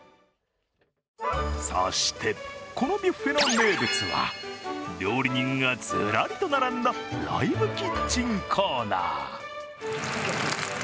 そして、このビュッフェの名物は、料理人がずらりと並んだライブキッチンコーナー。